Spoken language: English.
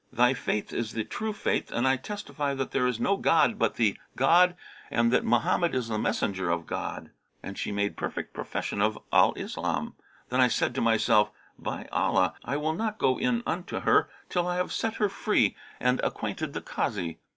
Thy faith is the True Faith and I testify that there is no god but the God and that Mohammed is the Messenger of God!' And she made perfect profession of Al Islam. Then said I to myself, 'By Allah, I will not go in unto her till I have set her free and acquainted the Kazi.'